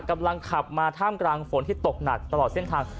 กำลังขับมาท่ามกลางฝนที่ตกหนักตลอดเส้นทาง